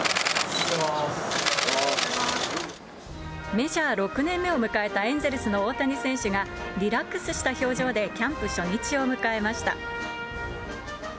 メジャー６年目を迎えたエンゼルスの大谷選手が、リラックスした表情で、キャンプ初日を迎えました。